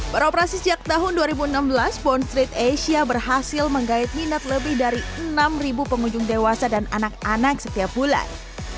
beroperasi sejak tahun dua ribu enam belas bond street asia berhasil menggait minat lebih dari enam pengunjung dewasa dan anak anak setiap bulan